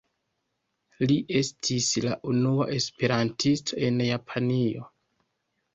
Li estis la unua esperantisto en Japanio.